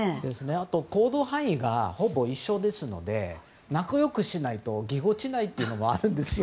あと行動範囲がほぼ一緒ですので仲良くしないとぎこちないというのもあるんですよ。